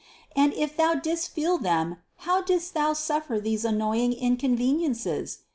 And if Thou didst feel them, how didst Thou suffer these an noying inconveniences?